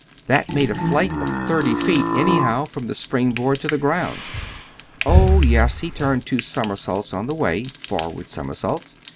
That made a flight of thirty feet, anyhow, from the spring board to the ground. Oh, yes, he turned two somersaults on the way forward somersaults.